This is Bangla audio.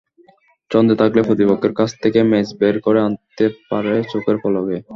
ছন্দে থাকলে প্রতিপক্ষের কাছ থেকে ম্যাচ বের করে আনতে পারে চোখের পলকে।